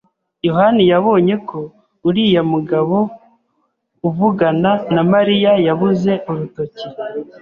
yohani yabonye ko uriya mugabo uvugana na Mariya yabuze urutoki.